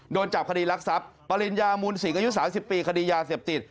โดนจับคดีรักทรัพย์ปริญญามูลสิงอายุ๓๐ปีคดียาเสพติด